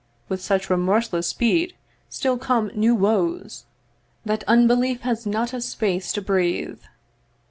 'With such remorseless speed still come new woes, 'That unbelief has not a space to breathe.